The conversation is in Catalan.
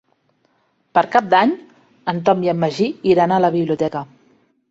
Per Cap d'Any en Tom i en Magí iran a la biblioteca.